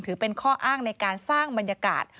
ถือเป็นข้ออ้างในการสร้างบรรยากาศ